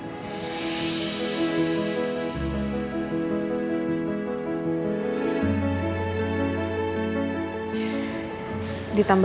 aku ngeh cek omongan bu ibu time